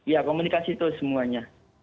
ya komunikasi itu semuanya